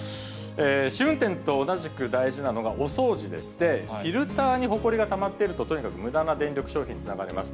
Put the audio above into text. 試運転と同じく、大事なのがお掃除でして、フィルターにほこりがたまっていると、とにかくむだな電力消費につながります。